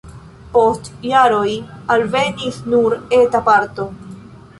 Post jaroj alvenis nur eta parto.